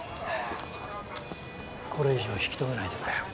これ以上引き止めないでくれ。